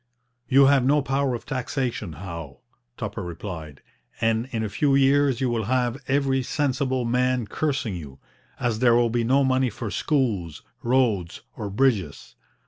'You have no power of taxation, Howe,' Tupper replied, 'and in a few years you will have every sensible man cursing you, as there will be no money for schools, roads, or bridges.